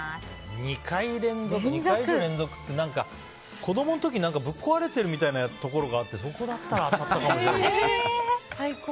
子供の時ぶっ壊れてるみたいなところがあってそこだったら当たったかもしれない。